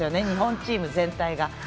日本チーム全体が。